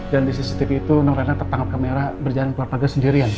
dan di cctv itu reina tertangkap kamera berjalan keluar pagar sendirian bu